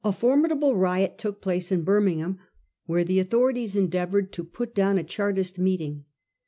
formidable riot took place in Birmingham, where the authorities endeavoured to put down a Chartist meet ing.